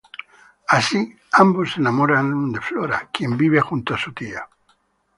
Así, ambos se enamoraron de Flora, quien vive junto a su tía.